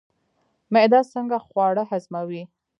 معده څنګه خواړه هضموي؟